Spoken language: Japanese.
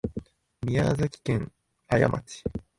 宮崎県綾町